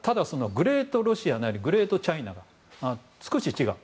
グレートロシアなりグレートチャイナは少し違う。